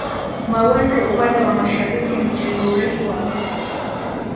Mawenzi upande wa mashariki ni chenye urefu wa mita